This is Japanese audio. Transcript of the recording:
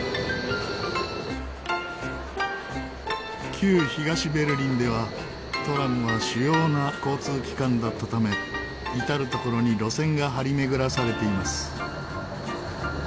旧東ベルリンではトラムは主要な交通機関だったため至る所に路線が張り巡らされています。